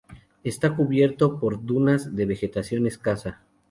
Está cubierto por dunas de vegetación escasa.